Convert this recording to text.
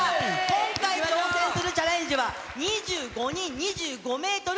今回、挑戦するチャレンジは、２５人、２５メートル